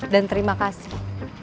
dan terima kasih